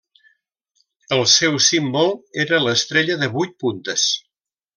El seu símbol era l'estrella de vuit puntes.